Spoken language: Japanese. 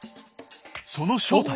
その正体